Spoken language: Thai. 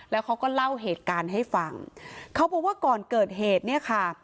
แล้วเขาก็เล่าเหตุการณ์ให้ฟังเขาบอกว่าก่อนเกิดเหตุเนี่ยค่ะ